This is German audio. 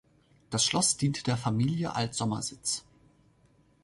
Das Schloss diente der Familie als Sommersitz.